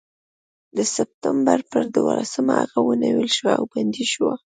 د سپټمبر پر دولسمه هغه ونیول شو او بندي شو.